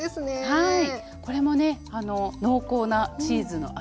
はい。